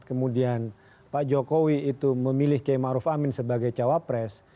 kemudian pak jokowi itu memilih kmaruf amin sebagai cawapres